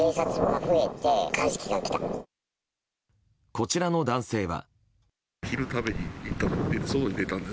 こちらの男性は。